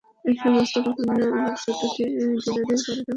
এই সমস্ত গোপনীয়তা আমার ছোট্ট ডিনারের বারোটা বাজিয়ে দেবে।